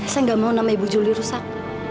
saya nggak mau nama ibu juli rusak